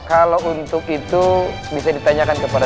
kalau untuk itu bisa ditanyakan kepada